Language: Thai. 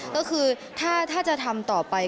ก็คือถ้าจะทำต่อไป